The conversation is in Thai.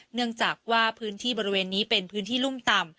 เนื่องจากว่าพื้นที่บริเวณนี้เป็นพื้นที่รุ่มต่ำ